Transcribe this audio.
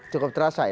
cukup terasa ya